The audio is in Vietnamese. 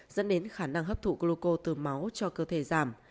dẫn đến khả năng hấp thụ coloco từ máu cho cơ thể giảm